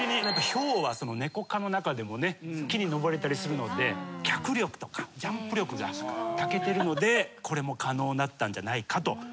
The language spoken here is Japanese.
ヒョウはネコ科の中でもね木に登れたりするので脚力とかジャンプ力がたけてるのでこれも可能になったんじゃないかと。